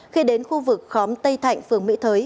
khi đến khu vực khóm tây thạnh phường mỹ thới